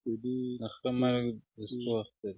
o د خره مرگ د سپو اختر دئ٫